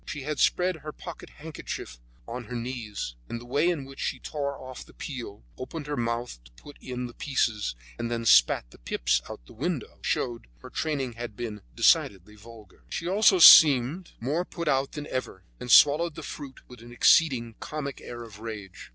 She had spread her pocket handkerchief on her knees, and the way in which she tore off the peel and opened her mouth to put in the pieces, and then spat the pips out of the window, showed that her training had been decidedly vulgar. She seemed, also, more put out than ever, and swallowed the fruit with an exceedingly comic air of rage.